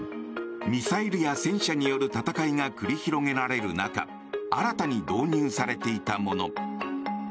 ミサイルや戦車による戦いが繰り広げられる中新たに導入されていたもの。